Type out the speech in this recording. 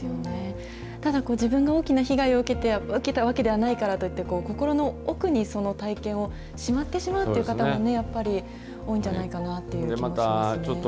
ただ、自分が大きな被害を受けたわけではないからといって、心の奥にその体験をしまってしまうという方もね、やっぱり多いんじゃないかなという気もしますね。